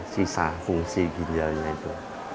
sisa fungsi ginjalnya itu